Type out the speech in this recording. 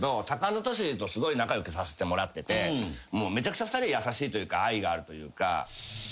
タカアンドトシとすごい仲良くさせてもらっててめちゃくちゃ２人優しいというか愛があるというか。